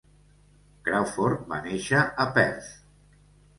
Crawford va néixer a Perth.